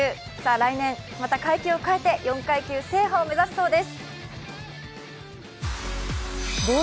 来年また階級を変えて、４階級制覇を目指すそうです。